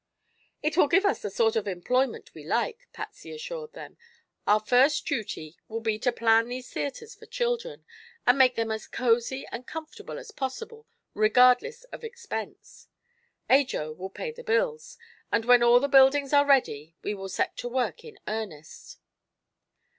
"It will give us the sort of employment we like," Patsy assured them. "Our first duty will be to plan these theatres for children, and make them as cosy and comfortable as possible, regardless of expense. Ajo will pay the bills, and when all the buildings are ready we will set to work in earnest."